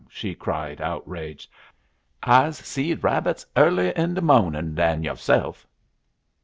she cried, outraged. "I'se seed rabbits earlier 'n de mawnin' dan yo'self."